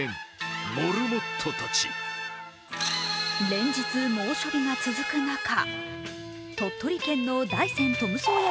連日、猛暑日が続く中、鳥取県の大山トム・ソーヤ